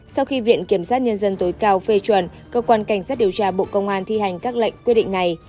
sau khi viện kiểm sát nhân dân tối cao phê chuẩn cơ quan cảnh sát điều tra bộ công an thi hành các lệnh quyết định này